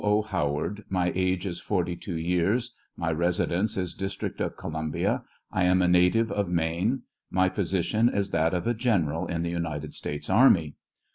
O. Howard ; my age is 42 years ; my residence is District of Columbia; I am a native of Maine; my position is that of a General in the United States army.